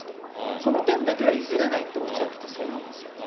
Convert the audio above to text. その点だけは譲れないとおっしゃってたそうなんですよ。